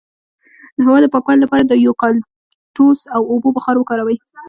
د هوا د پاکوالي لپاره د یوکالیپټوس او اوبو بخار وکاروئ